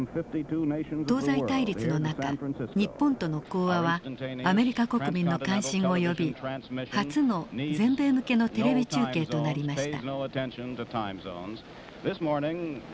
東西対立の中日本との講和はアメリカ国民の関心を呼び初の全米向けのテレビ中継となりました。